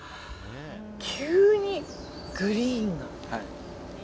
急にグリーンが。